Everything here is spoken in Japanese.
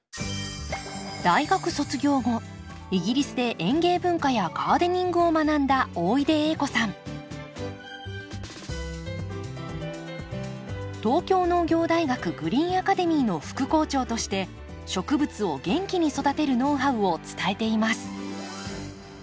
大学卒業後イギリスで園芸文化やガーデニングを学んだ東京農業大学グリーンアカデミーの副校長として植物を元気に育てるノウハウを伝えています。